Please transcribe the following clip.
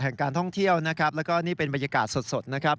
การท่องเที่ยวนะครับแล้วก็นี่เป็นบรรยากาศสดนะครับ